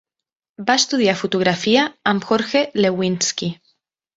Va estudiar fotografia amb Jorge Lewinski.